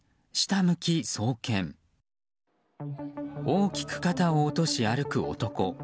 大きく肩を落とし歩く男。